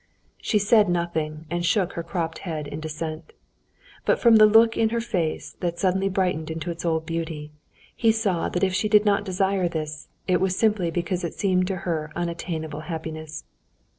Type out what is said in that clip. She said nothing, and shook her cropped head in dissent. But from the look in her face, that suddenly brightened into its old beauty, he saw that if she did not desire this, it was simply because it seemed to her unattainable happiness.